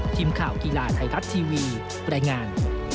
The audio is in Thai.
ทีมข่าวกีฬาไทยรัฐทีวีรายงาน